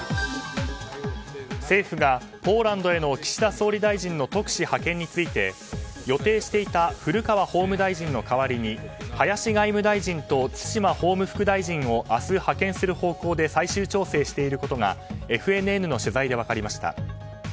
政府が、ポーランドへの岸田総理大臣の特使派遣について予定していた古川法務大臣の代わりに林外務大臣と津島法務副大臣を明日、派遣する方向で最終調整していることがＦＮＮの取材で分かりました。